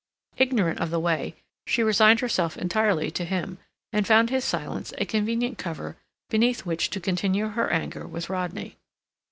Ignorant of the way, she resigned herself entirely to him, and found his silence a convenient cover beneath which to continue her anger with Rodney.